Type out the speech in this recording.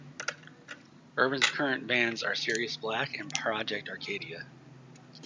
Urban's current bands are Serious Black, and Project Arcadia.